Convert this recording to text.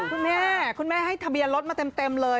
คุณแม่คุณแม่ให้ทะเบียนรถมาเต็มเลย